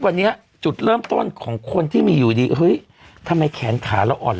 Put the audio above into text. วันนี้จุดเริ่มต้นของคนที่มีอยู่ดีเฮ้ยทำไมแขนขาเราอ่อน